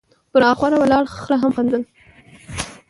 ، پر اخوره ولاړ خره هم خندل،